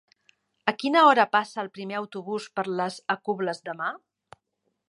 A quina hora passa el primer autobús per les Alcubles demà?